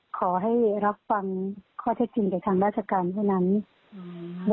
ขอให้รับฟังข้อใช้จริงกับทางราชการเท่านั้น